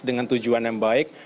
dengan tujuan yang baik